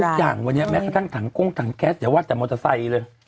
อย่างวันนี้แม้กระทั่งถังก้งถังแก๊สอย่าว่าแต่มอเตอร์ไซค์เลย